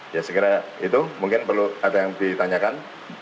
ya sekiranya itu mungkin perlu ada yang ditanyakan